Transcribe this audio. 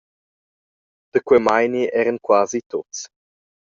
Da quei meini eran quasi tuts.